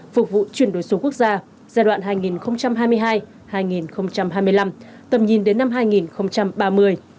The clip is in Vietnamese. phục vụ chuyển đổi số quốc gia giai đoạn hai nghìn hai mươi hai hai nghìn hai mươi năm tầm nhìn đến năm hai nghìn ba mươi